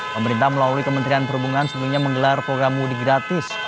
pemerintah melalui kementerian perhubungan sebelumnya menggelar program mudik gratis